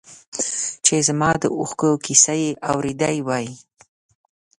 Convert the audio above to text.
چې زما د اوښکو کیسه یې اورېدی وای.